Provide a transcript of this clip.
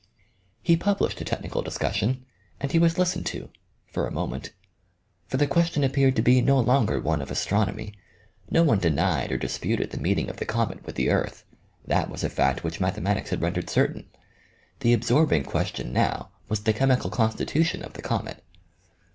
He published a technical discussion, and he was listened to for a moment. For the question appeared to be no longer one of astronomy. No one denied or disputed the meeting of the comet with the earth. That was a fact which mathematics had rendered certain. The absorb ing question now was the chemical constitution of the comet.